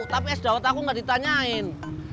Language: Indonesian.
tapi es dawet aku gak ditanyain